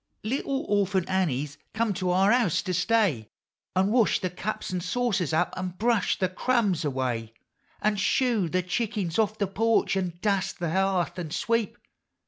Little Orphant Annie's come to our house to stay, An' wash the cups and saucers up, an' brush the crumbs away, An' shoo the chickens off the porch, an' dust the hearth, an' sweep.